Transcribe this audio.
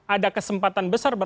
ada kesempatan besar bukan